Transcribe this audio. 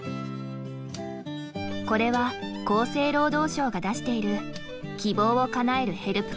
これは厚生労働省が出している「希望をかなえるヘルプカード」。